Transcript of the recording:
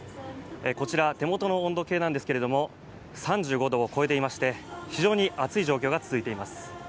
こちら、手元の温度計なんですけれども、３５度を超えていまして、非常に暑い状況が続いています。